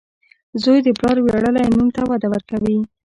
• زوی د پلار ویاړلی نوم ته وده ورکوي.